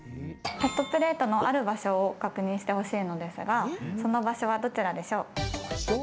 ホットプレートのある場所を確認してほしいのですがその場所はどちらでしょう。